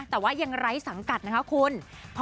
แต่ว่ายังไร้สังกัดนะคะคุณ